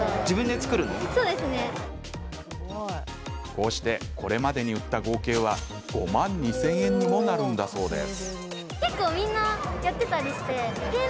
こうしてこれまでに売った合計は５万２０００円にもなるんだそうです。